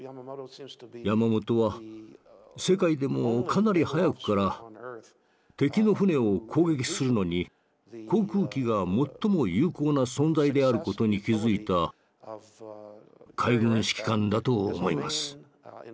山本は世界でもかなり早くから敵の船を攻撃するのに航空機が最も有効な存在である事に気付いた海軍指揮官だと思います。